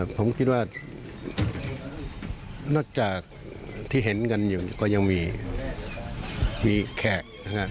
ผมคิดว่านอกจากที่เห็นกันอยู่ก็ยังมีแขกนะครับ